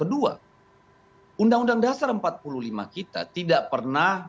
kedua undang undang dasar empat puluh lima kita tidak pernah